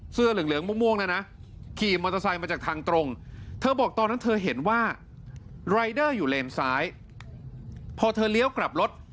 เสื้อเหลืองม่วงนะนะ